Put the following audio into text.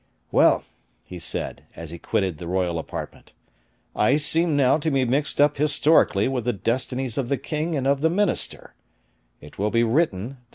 "Well," he said, as he quitted the royal apartment, "I seem now to be mixed up historically with the destinies of the king and of the minister; it will be written, that M.